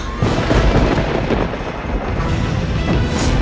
kau tidak bisa menang